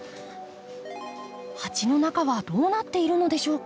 鉢の中はどうなっているのでしょうか？